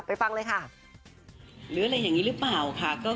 ไปฟังเลยค่ะ